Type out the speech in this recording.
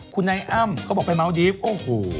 คุณนายอ้ำเขาบอกไปเมาสดีฟโอ้โห